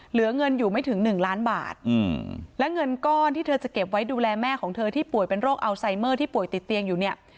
เหลือเงินอยู่ไม่ถึงหนึ่งล้านบาทและเงินก้อนที่เธอจะเก็บไว้ดูแลแม่ของเธอที่ป่วยเป็นโรคอัลไซเมอร์ที่ป่วยติดเตียงอยู่เนี่ย